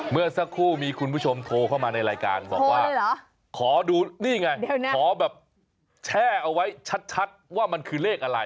เมื่อสักครู่มีคุณผู้ชมโทรเข้ามาในรายการบอกว่าขอดูนี่ไงขอแบบแช่เอาไว้ชัดว่ามันคือเลขอะไร